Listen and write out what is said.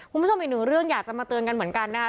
คุณผู้ชมอีกหนึ่งเรื่องอยากจะมาเตือนกันเหมือนกันนะคะ